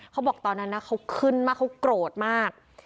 เขาบอกตอนนั้นนะเขาขึ้นมากเขาโกรธมาก